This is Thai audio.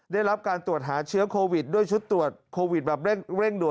ได้รับการตรวจหาเชื้อโควิดด้วยชุดตรวจโควิดแบบเร่งด่ว